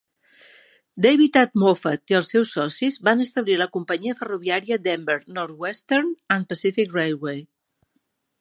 David H. Moffat i els seus socis van establir la companyia ferroviària Denver, Northwestern and Pacific Railway.